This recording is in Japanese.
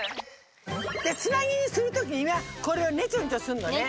でつなぎにするときにこれをねちょねちょすんのね。